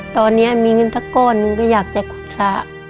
ตอนนี้มีเงินสักก้อนหนึ่งก็อยากจะ